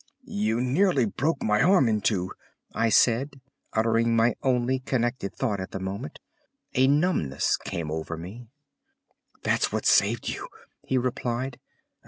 "You nearly broke my arm in two," I said, uttering my only connected thought at the moment. A numbness came over me. "That's what saved you!" he replied.